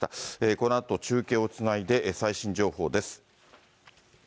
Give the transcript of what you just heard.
このあと、中継をつないで最新情報です。